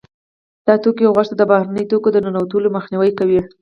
دا توکي غوږ ته د بهرنیو توکو د ننوتلو مخنیوی کوي.